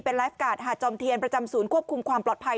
ไลฟ์การ์ดหาดจอมเทียนประจำศูนย์ควบคุมความปลอดภัย